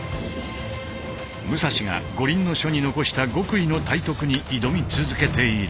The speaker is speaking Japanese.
武蔵が「五輪書」に残した極意の体得に挑み続けている。